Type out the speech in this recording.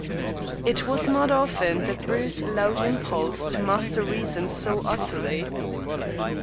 It was not often that Bruce allowed impulse to master reason so utterly.